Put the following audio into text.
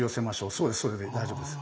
そうですそれで大丈夫ですよ。